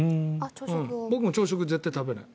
僕も朝食を絶対に食べない。